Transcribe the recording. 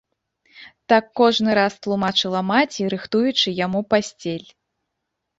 Так кожны раз тлумачыла маці, рыхтуючы яму пасцель.